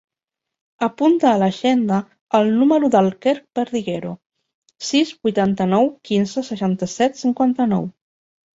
Apunta a l'agenda el número del Quer Perdiguero: sis, vuitanta-nou, quinze, seixanta-set, cinquanta-nou.